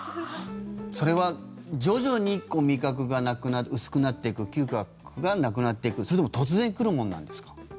それは徐々に味覚が薄くなっていく嗅覚がなくなっていくそれとも突然来るものなんですか？